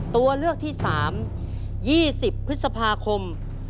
ตัวเลือกที่สาม๒๐พฤษภาคม๒๕๕๔